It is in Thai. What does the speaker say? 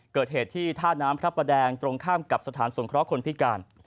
เกิดเหตุที่ท่าน้ำพระประแดงตรงข้ามกับสถานสงเคราะห์คนพิการ